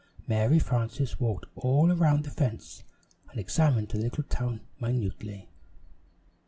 Mary Frances walked all around the fence and examined the little town minutely.